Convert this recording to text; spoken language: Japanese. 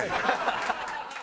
ハハハハ！